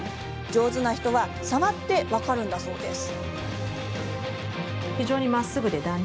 上手な人は触って分かるそうです。